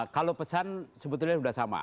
kalau pesan sebetulnya sudah sama